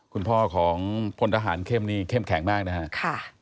คุณพ่อของพลทหารเข้มนี่เข้มแข็งมากนะครับ